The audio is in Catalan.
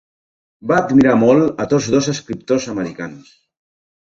Va admirar molt a tots dos escriptors americans.